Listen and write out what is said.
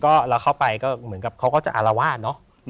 ก็เราเข้าไปเขาก็จะอารวาดเนอะ